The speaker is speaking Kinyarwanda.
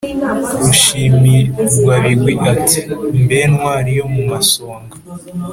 Rushimirwabigwi ati: Mbe ntwali yo mu masonga